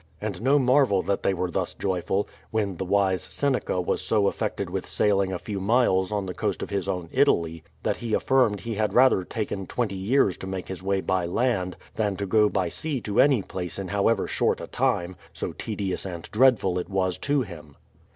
And no marvel that they were thus joyful, when the wise Seneca was so affected with sailing a few miles on the coast of his own Italy, that he afiirmed' he had rather taken twenty years to make his way by land, than to go by sea to any place in however short a time. — so tedious and dreadful it was to him.